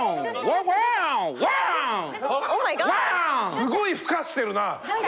すごいふかしてるな。